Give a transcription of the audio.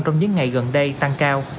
trong những ngày gần đây tăng cao